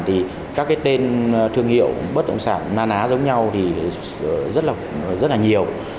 thì các cái tên thương hiệu bất động sản na ná giống nhau thì rất là nhiều